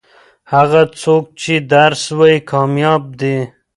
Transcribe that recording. هغه څوک چې درس وايي کامياب دي.